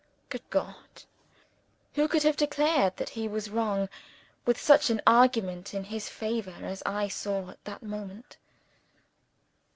Good God! who could have declared that he was wrong, with such an argument in his favor as I saw at that moment?